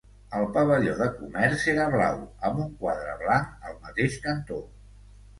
El pavelló de comerç era blau amb un quadre blanc al mateix cantó.